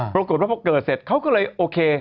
ปรากฏว่าพอเกิดเสร็จเขาก็เลยโอเค